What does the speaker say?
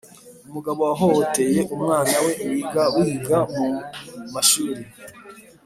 umugabo wahohoteye umwana we wiga wiga mu mashuri